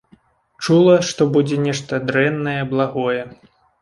Чула, што будзе нешта дрэннае, благое.